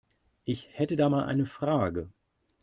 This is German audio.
Ich hätte da mal eine Frage.